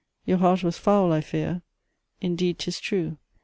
"Your heart was foul, I fear." Indeed 'tis true.